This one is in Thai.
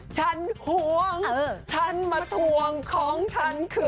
ฉันหวงฉันมะถวงของฉันคือ